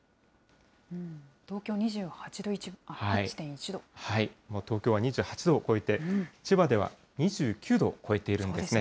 もう東京は２８度を超えて、千葉では２９度を超えているんですね。